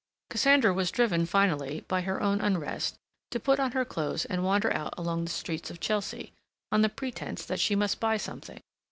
Cassandra was driven finally, by her own unrest, to put on her clothes and wander out along the streets of Chelsea, on the pretence that she must buy something.